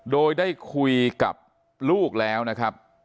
โดยได้คุยกับลูกแล้วนะครับ